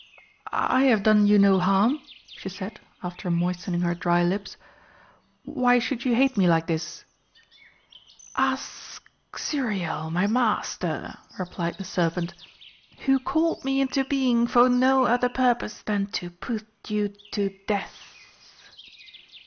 "I have done you no harm," she said, after moistening her dry lips. "Why should you hate me like this?" "Ask Xuriel, my master," replied the serpent, "who called me into being for no other purpose than to put you to death."